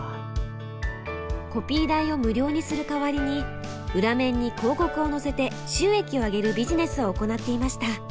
コピー代を無料にする代わりに裏面に広告を載せて収益をあげるビジネスを行っていました。